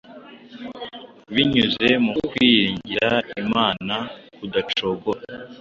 Binyuze mu kwiringira Imana kudacogora,